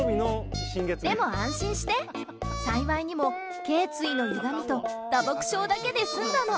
でも安心して、幸いにもけい椎のゆがみと、打撲傷だけで済んだの。